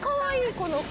この子。